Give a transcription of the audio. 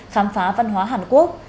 khám phá văn hóa hàn quốc